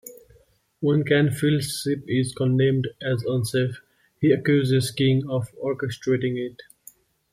When Canfield's ship is condemned as unsafe, he accuses King of orchestrating it.